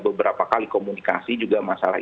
beberapa kali komunikasi juga masalah